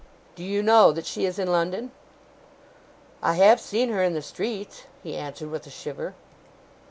'Do you know that she is in London?' 'I have seen her in the streets,' he answered, with a shiver.